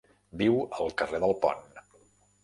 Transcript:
Viu al carrer del Pont.